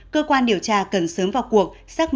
cơ quan điều tra cần sớm vào cuộc